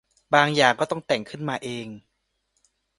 บางอย่างก็ต้องแต่งกันขึ้นมาเอง